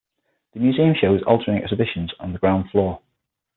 The museum shows altering exhibitions in the ground floor.